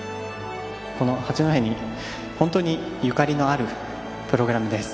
この八戸に本当にゆかりのあるプログラムです。